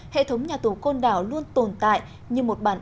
hệ thống nhà tù côn đảo luôn tồn tại như một vùng đất